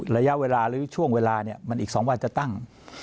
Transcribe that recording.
ระยาไว้เวลาช่วงเวลาเนี่ยอีกสองวันจะตั้ง